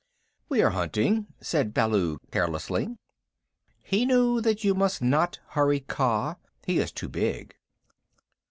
"We are hunting," said Baloo carelessly. He knew that you must not hurry Kaa. He is too big.